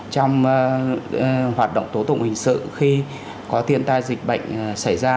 trong hoạt động tố tụng hình sự khi có thiên tai dịch bệnh xảy ra